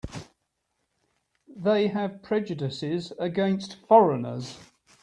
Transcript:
They have prejudices against foreigners.